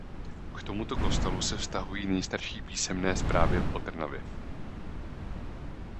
K tomuto kostelu se vztahují nejstarší písemné zprávy o Trnavě.